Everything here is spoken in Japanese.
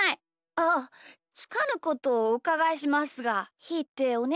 あつかぬことをおうかがいしますがひーっておねしょしてる？